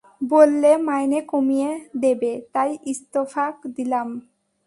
বললে মাইনে কমিয়ে দেবে, তাই ইস্তফা দিলাম।